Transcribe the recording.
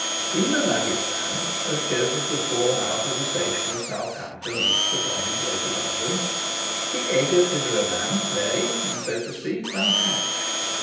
In the luggage van, as Joseph was borne out of the station of Southampton East upon his way to London, the egg of his romance lay (so to speak) unhatched.